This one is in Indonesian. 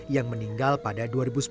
yang meninggal pada dua ribu sepuluh